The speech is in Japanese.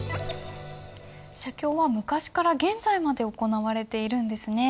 写経は昔から現在まで行われているんですね。